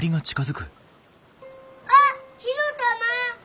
あっ火の玉！